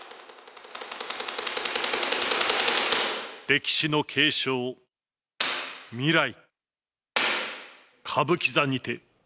歴史の継承、未来。